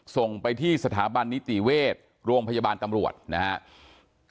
ส่งไปที่สถาบันนิติเวชโรงพยาบาลตำรวจนะครับ